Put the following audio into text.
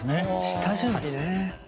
下準備ね。